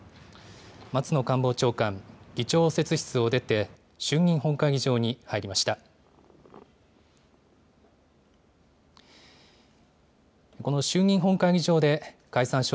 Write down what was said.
松野官房長官、議長応接室を出て、衆議院本会議場に入りました。